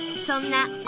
そんな